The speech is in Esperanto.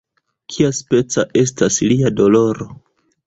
"Kiaspeca estas lia doloro?"